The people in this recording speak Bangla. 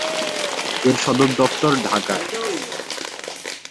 এর সদর দফতর ঢাকায়।